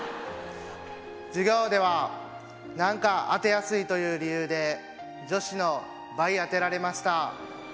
「授業では何か当てやすいという理由で女子の倍当てられました」。